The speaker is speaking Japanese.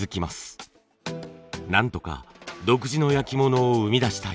なんとか独自の焼き物を生み出したい。